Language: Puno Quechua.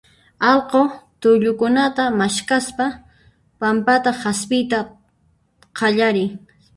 allqu tullukunata maskhaspa pampata hasp'iyta qallarin.